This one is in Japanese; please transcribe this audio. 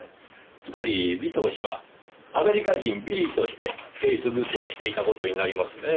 つまり尾藤氏はアメリカ人ビリーとしてフェイスグッドをしていた事になりますねぇ。